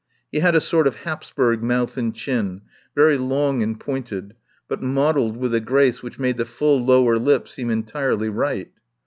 He had a sort of Hapsburg mouth and chin, very long and pointed, but modelled with a grace which made the full lower lip seem entirely right.